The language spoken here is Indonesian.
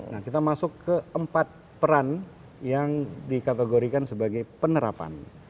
nah kita masuk ke empat peran yang dikategorikan sebagai penerapan